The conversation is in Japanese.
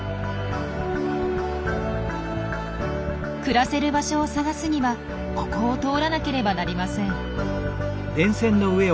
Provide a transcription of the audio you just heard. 暮らせる場所を探すにはここを通らなければなりません。